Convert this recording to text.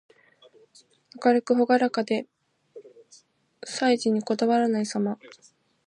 明るくほがらかで、細事にこだわらないさま。